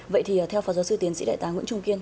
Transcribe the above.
vậy thì theo phó giáo sư tiến sĩ đại tá nguyễn trung kiên